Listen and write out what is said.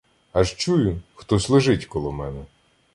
Аж чую, хтось лежить коло мене.